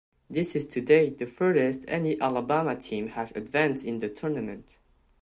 This is to date the furthest any Alabama team has advanced in the tournament.